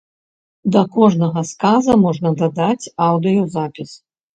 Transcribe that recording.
Да кожнага сказа можна дадаць аўдыёзапіс.